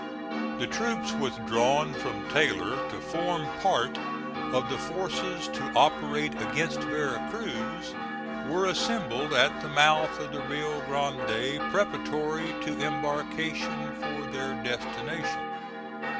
The troops withdrawn from Taylor to form part of the forces to operate against Vera Cruz, were assembled at the mouth of the Rio Grande preparatory to embarkation for their destination.